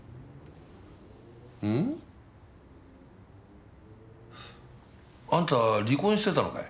ん？あんた離婚してたのかい。